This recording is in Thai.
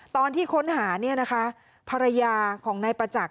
ตอนที่ค้นหาเนี่ยนะคะภรรยาของนายประจักษ